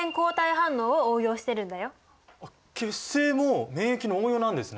実は血清も免疫の応用なんですね。